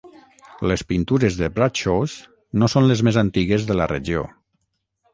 Les pintures de Bradshaws no són les més antigues de la regió.